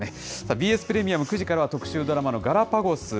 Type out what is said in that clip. ＢＳプレミアム、９時からは特集ドラマ、ガラパゴス。